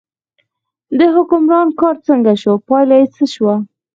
د حکمران کار څنګه شو، پایله یې څه شوه.